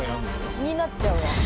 気になっちゃうわ。